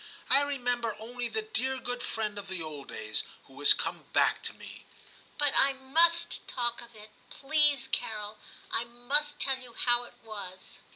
I remem ber only the dear good friend of the old days, who is come back to me.' * But I must talk of it, please, Carol ; I must tell you how it was.